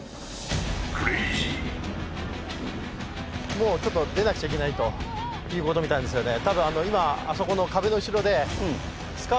もうちょっと出なくちゃいけないということみたいですよね